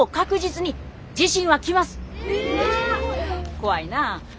怖いなあ。